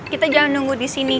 kita jangan nunggu di sini